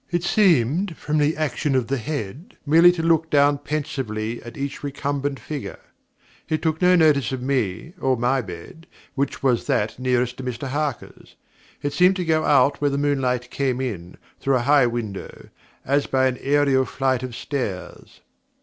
It seemed from the action of the head, merely to look down pensively at each recumbent figure. It took no notice of me, or of my bed, which was that nearest to Mr Harker's. It seemed to go out where the moonlight came in, through a high window, as by an aërial flight of stairs.